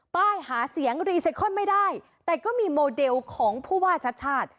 ป้ายหาเสียงรีไซคอนไม่ได้แต่ก็มีโมเดลของผู้ว่าชัดชาติ